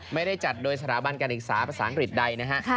ไม่ได้จัดโดยสถาบันการศึกษาภาษาอังกฤษใดนะฮะ